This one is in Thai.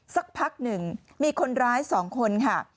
สักพักหนึ่งมีคนร้าย๒คนค่ะ